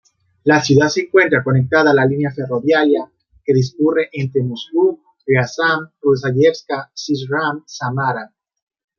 La ciudad se encuentra conectada a la línea ferroviaria que discurre entre Moscú-Riazán-Ruzáyevka-Syzran-Samara.